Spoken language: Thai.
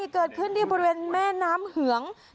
เกิดขึ้นไปแนวหน้าเฮือง